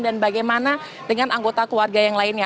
dan bagaimana dengan anggota keluarga yang lainnya